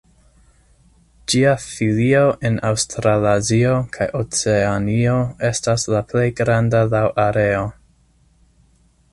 Ĝia filio en Aŭstralazio kaj Oceanio estas la plej granda laŭ areo.